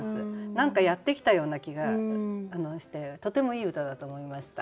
何かやってきたような気がしてとてもいい歌だと思いました。